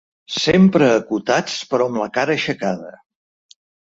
Sempre acotats, però amb la cara aixecada